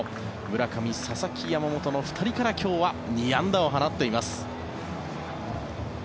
村上は佐々木、山本の２人から今日は２安打を放っています。